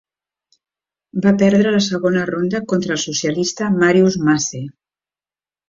Va perdre a la segona ronda contra el socialista Marius Masse.